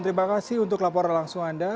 terima kasih untuk laporan langsung anda